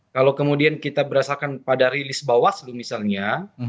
kalau kemudian kita berdasarkan pada rilis bawaslu misalnya